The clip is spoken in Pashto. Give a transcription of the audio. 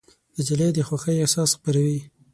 نجلۍ د خوښۍ احساس خپروي.